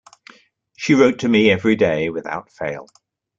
She wrote to me every day, without fail.